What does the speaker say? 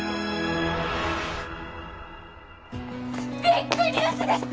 ビッグニュースです！